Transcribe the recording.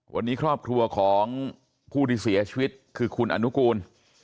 วันนี้ครอบครัวของผู้ที่เสียชีวิตคือคุณอนุกูล